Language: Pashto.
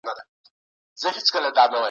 غزنین د افغانستان د غزني ښار نوم دی. دا د غزنوي